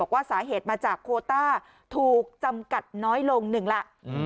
ว่าสาเหตุมาจากโคต้าถูกจำกัดน้อยลงหนึ่งล่ะ